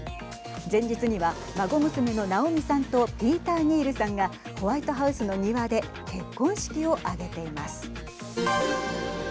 前日には、孫娘のナオミさんとピーター・ニールさんがホワイトハウスの庭で結婚式を挙げています。